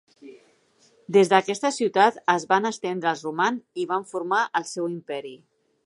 Des d'aquesta ciutat es van estendre els romans i van formar el seu imperi.